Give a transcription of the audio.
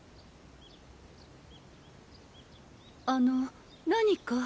あの何か？